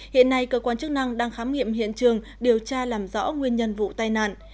hiện nay cơ quan chức năng đang khám nghiệm hiện trường điều tra làm rõ nguyên nhân vụ tai nạn